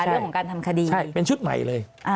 เรื่องของการทำคดีใช่เป็นชุดใหม่เลย